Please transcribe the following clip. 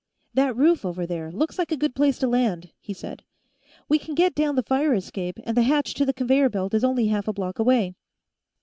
"That roof, over there, looks like a good place to land," he said. "We can get down the fire escape, and the hatch to the conveyor belt is only half a block away."